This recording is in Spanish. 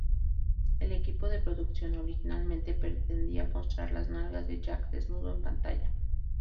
El equipo de producción originalmente pretendía mostrar las nalgas de Jack desnudo en pantalla.